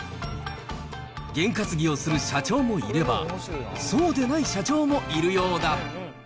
ゲン担ぎをする社長もいれば、そうでない社長もいるようだ。